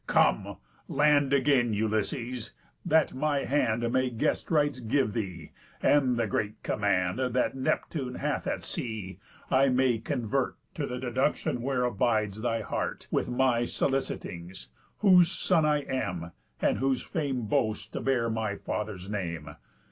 Come, land again, Ulysses! that my hand May guest rites give thee, and the great command, That Neptune hath at sea, I may convert To the deduction where abides thy heart, With my solicitings, whose son I am, And whose fame boasts to bear my father's name.